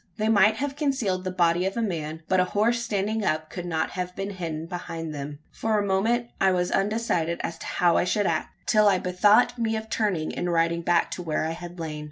They might have concealed the body of a man; but a horse standing up could not have been hidden behind them. For a moment I was undecided as to how I should act till I bethought me of turning, and riding back to where I had lain.